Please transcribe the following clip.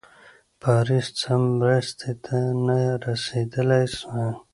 پاریس څخه مرستي ته نه رسېدلای سوای.